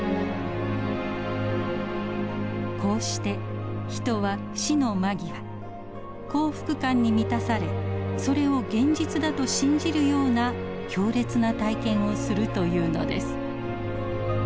こうして人は死の間際幸福感に満たされそれを現実だと信じるような強烈な体験をするというのです。